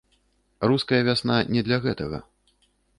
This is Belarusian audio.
Руская вясна не для гэтага.